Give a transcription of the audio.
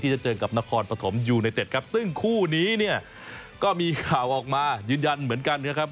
จะเจอกับนครปฐมยูไนเต็ดครับซึ่งคู่นี้เนี่ยก็มีข่าวออกมายืนยันเหมือนกันนะครับ